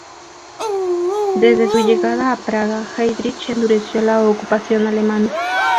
Desde su llegada a Praga, Heydrich endureció la ocupación alemana.